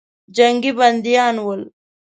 جنګي بندیان ول.